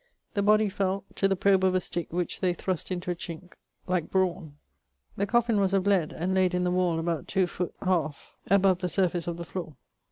The body felt, to the probe of a stick which they thrust into a chinke, like brawne. The coffin was of lead and layd in the wall about 2 foot 1/2 above the surface of the floore.